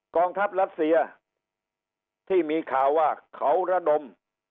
กองทัพรัสเซียที่มีข่าวว่าเขาระดม